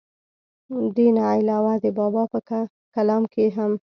دې نه علاوه د بابا پۀ کلام کښې هم